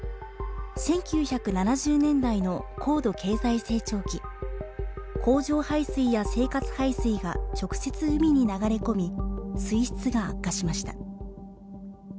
１９７０年代の高度経済成長期工場排水や生活排水が直接、海に流れ込み水質が悪化しました。